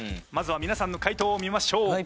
まずは皆さんの回答を見ましょう。